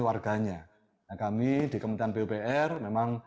warganya nah kami di kementerian pupr memang